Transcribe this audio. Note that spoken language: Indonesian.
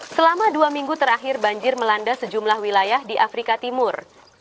selama dua minggu terakhir banjir melanda sejumlah wilayah di afrika timur